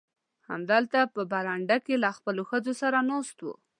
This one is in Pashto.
همدلته په برنډه کې له خپلو ښځو سره ناست و.